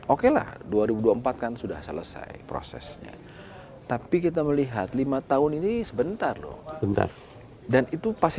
oke lah dua ribu dua puluh empat kan sudah selesai prosesnya tapi kita melihat lima tahun ini sebentar loh sebentar dan itu pasti